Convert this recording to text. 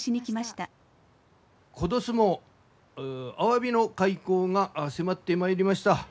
今年もアワビの開口が迫ってまいりました。